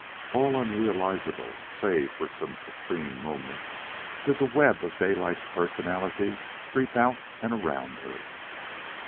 All unrealizable, save for some supreme moment, did the web of Daylight's personality creep out and around her.